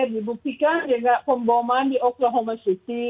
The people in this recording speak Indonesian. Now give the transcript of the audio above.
dibuktikan dengan pemboman di oklahoma city